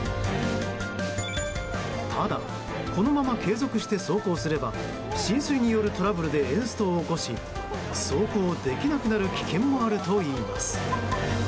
ただ、このまま継続して走行すれば浸水によるトラブルでエンストを起こし走行できなくなる危険もあるといいます。